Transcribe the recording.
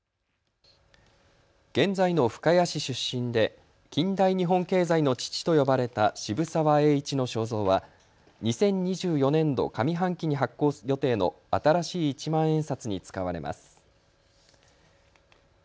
現在の深谷市出身で近代日本経済の父と呼ばれた渋沢栄一の肖像は２０２４年度上半期に発行予定の新しい一万円札に使われます。